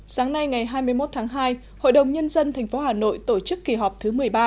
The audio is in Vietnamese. sáng nay ngày hai mươi một tháng hai hội đồng nhân dân tp hà nội tổ chức kỳ họp thứ một mươi ba